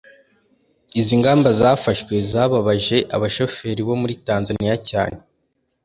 izi ngamba zafashwe zababaje abashoferi bo muri tanzaniya cyane